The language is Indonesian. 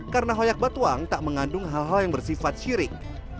karena hoyak batuang tak mengandung hal hal yang bersifat syirik